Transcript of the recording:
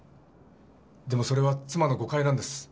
でもそれは妻の誤解なんです。